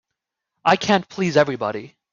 I can't please everybody.